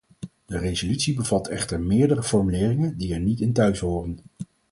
De resolutie bevat echter meerdere formuleringen die er niet in thuishoren.